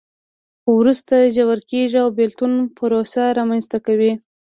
خو وروسته ژور کېږي او بېلتون پروسه رامنځته کوي.